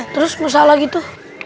terus masalah gitu